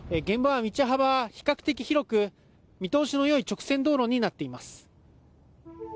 現場は道幅は比較的広く見通しの良い直線道路になっています。